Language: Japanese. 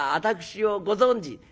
私をご存じ？」。